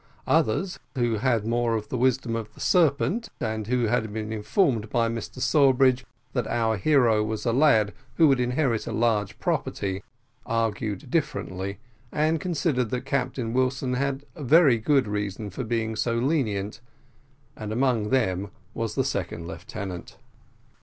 Others, who had more of the wisdom of the serpent, and who had been informed by Mr Sawbridge that our hero was a lad who would inherit a large property, argued differently, and considered that Captain Wilson had very good reason for being so lenient and among them was the second lieutenant.